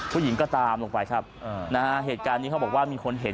ผู้หญิงก็ตามลงไปครับนะฮะเหตุการณ์นี้เขาบอกว่ามีคนเห็น